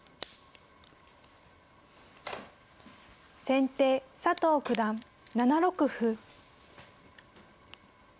先手佐藤九段７六歩。